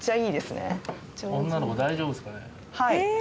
はい。